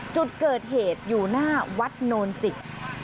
จุดเกิดเหตุอยู่หน้าวัดโนนจิก